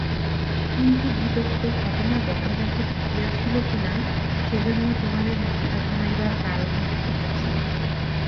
কিন্তু গীতোক্ত ঘটনা যথাযথ ঘটিয়াছিল কিনা, সেজন্য তোমাদের মাথা ঘামাইবার কারণও দেখিতেছি না।